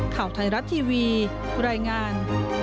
ข่าวไทยรัฐทีวีรายงาน